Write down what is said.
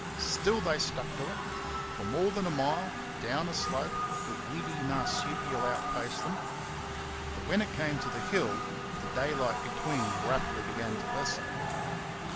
Still, they stuck to it. For more than a mile, down a slope, the weedy marsupial outpaced them, but when it came to the hill the daylight between rapidly began to lessen.